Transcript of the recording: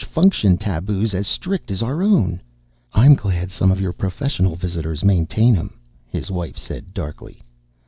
Function taboos as strict as our own!" "I'm glad some of your professional visitors maintain 'em," his wife said darkly.